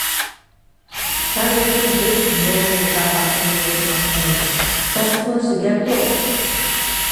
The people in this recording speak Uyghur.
سەن ئۈچۈن بىز نوبېل مۇكاپاتىنى ئىلتىماس قىلىمىز، تەستىقلىنىشتا گەپ يوق.